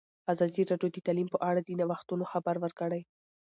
ازادي راډیو د تعلیم په اړه د نوښتونو خبر ورکړی.